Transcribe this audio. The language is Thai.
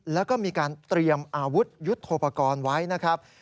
แล้วก็มีการเตรียมอาวุธยุทธโปรกรณ์ไว้นะครับ